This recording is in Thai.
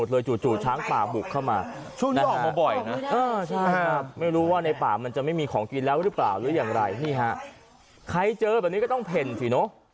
ครับไม่รู้ว่าในป่ะมันจะไม่มีของกินแล้วหรือเปล่าหรืออย่างไรนี่ฮะใครเจอแบบนี้ก็ต้องแผ่นสิเนอะ